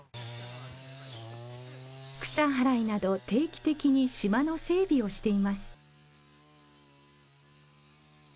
草払いなど定期的に島の整備をしています。